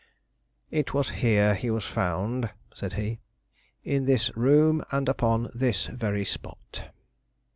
"It was here he was found," said he; "in this room and upon this very spot."